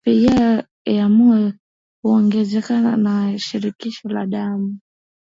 Mapigo ya moyo huongezeka na Shinikizo la damu